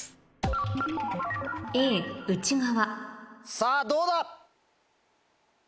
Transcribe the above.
さぁどうだ⁉